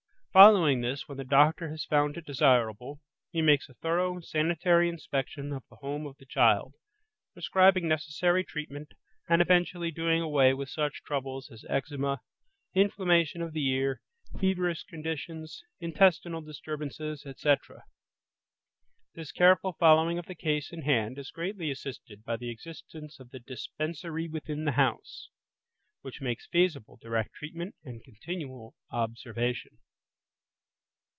Following this, when the doctor has found it desirable, he makes a thorough, sanitary inspection of the home of the child, prescribing necessary treatment and eventually doing away with such troubles as eczema, inflammation of the ear, feverish conditions, intestinal disturbances, etc. This careful following of the case in hand is greatly assisted by the existence of the dispensary within the house, which makes feasible direct treatment and continual observation.